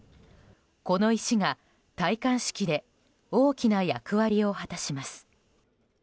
この石が戴冠式で大きな役割を果たします。